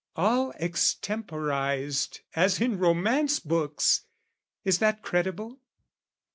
All extemporised As in romance books! Is that credible?